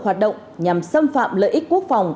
hoạt động nhằm xâm phạm lợi ích quốc phòng